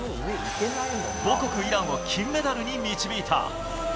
母国イランを金メダルに導いた。